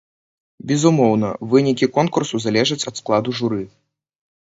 Безумоўна, вынікі конкурсу залежаць ад складу журы.